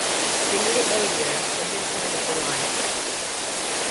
They meet at Osier, the midpoint of the line.